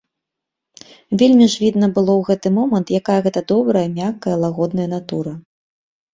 Вельмі ж відно было ў гэты момант, якая гэта добрая, мяккая, лагодная натура.